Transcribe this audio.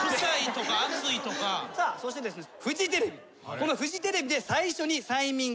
このフジテレビで。